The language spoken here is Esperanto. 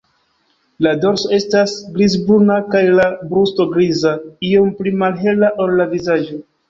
La dorso estas grizbruna kaj la brusto griza, iom pli malhela ol la vizaĝo.